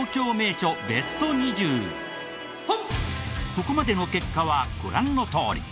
ここまでの結果はご覧のとおり。